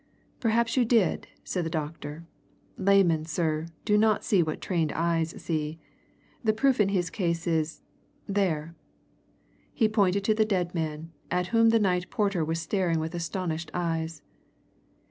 "Perhaps you did," said the doctor. "Laymen, sir, do not see what a trained eye sees. The proof in his case is there!" He pointed to the dead man, at whom the night porter was staring with astonished eyes.